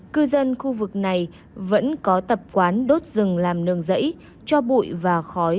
cư dân khu vực này vẫn có tập quán đốt rừng làm nương rẫy cho bụi và khói